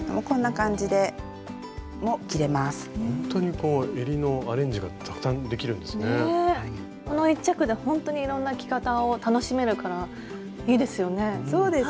この１着でほんとにいろんな着方を楽しめるからいいですよね。